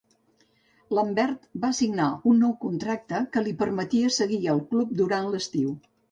Lambert va signar un nou contracte que li permetia seguir al club durant l'estiu.